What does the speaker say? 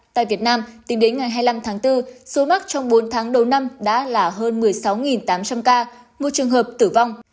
tại việt nam tính đến ngày hai mươi năm tháng bốn số mắc trong bốn tháng đầu năm đã là hơn một mươi sáu tám trăm linh ca một trường hợp tử vong